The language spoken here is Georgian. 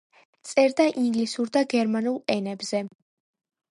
წერდა ინგლისურ და გერმანულ ენებზე.